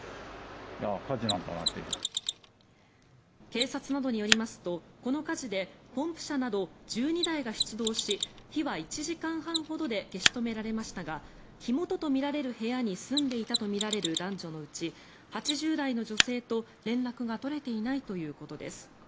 警察などによりますとこの火事でポンプ車など１２台が出動し火は１時間半ほどで消し止められましたが火元とみられる部屋に住んでいたとみられる男女のうち８０代の女性と連絡が取れていないということです。